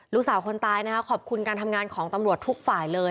ลูกสาวคนตายนะคะขอบคุณการทำงานของตำรวจทุกฝ่ายเลย